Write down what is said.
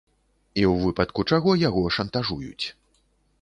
І ў выпадку чаго яго шантажуюць.